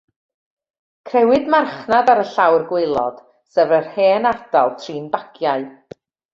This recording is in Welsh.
Crëwyd marchnad ar y llawr gwaelod, sef yr hen ardal trin bagiau.